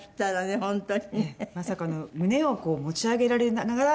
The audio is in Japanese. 本当に。